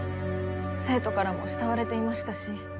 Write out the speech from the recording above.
生徒からも慕われていましたし。